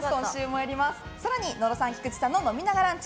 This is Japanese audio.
更に野呂さん菊地さんの飲みながランチ！